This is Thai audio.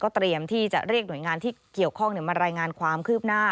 เตรียมที่จะเรียกหน่วยงานที่เกี่ยวข้องมารายงานความคืบหน้า